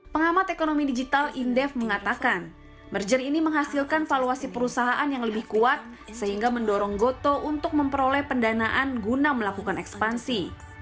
pengamat ekonomi digital indef mengatakan merger ini menghasilkan valuasi perusahaan yang lebih kuat sehingga mendorong gotoh untuk memperoleh pendanaan guna melakukan ekspansi